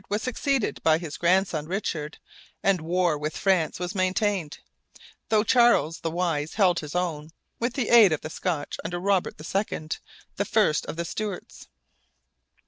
was succeeded by his grandson, Richard, and war with France was maintained, though Charles the Wise held his own, with the aid of the Scotch under Robert II., the first of the Stuarts.